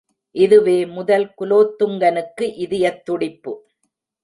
இதுவே முதல் குலோத்துங்கனுக்கு இதயத் துடிப்பு.